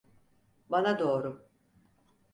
Bana doğru.